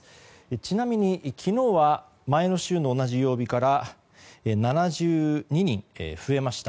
ちなみに、昨日は前の週の同じ曜日から７２人増えました。